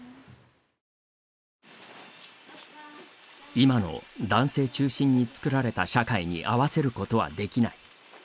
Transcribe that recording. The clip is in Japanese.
今の男性中心に作られた社会に合わせることはできない。